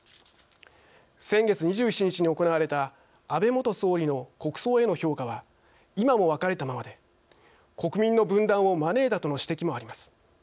先月２７日に行われた安倍元総理の国葬への評価は今も分かれたままで国民の分断を招いたとの指摘もあります。